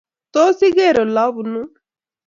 Tos, igeer olabunuu?